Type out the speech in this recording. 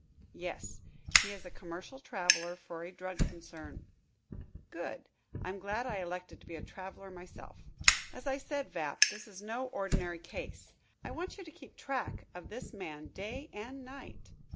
"Yes. He is a commercial traveler for a drug concern." "Good! I'm glad I elected to be a traveler myself." "As I said, Vapp, this is no ordinary case. I want you to keep track of this man day and night."